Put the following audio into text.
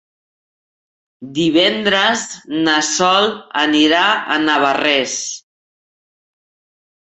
Divendres na Sol anirà a Navarrés.